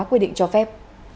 quy định cho phép